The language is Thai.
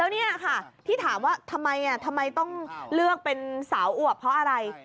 นี่ค่ะที่ถามว่าทำไมทำไมต้องเลือกเป็นสาวอวบเพราะอะไร